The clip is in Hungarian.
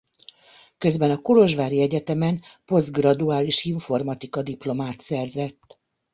Közben a kolozsvári egyetemen posztgraduális informatika diplomát szerzett.